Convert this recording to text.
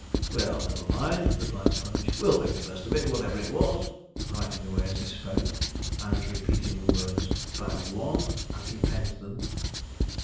'Well, never mind,' replied Sponge, 'we'll make the best of it, whatever it was'; writing away as he spoke, and repeating the words 'bag one' as he penned them.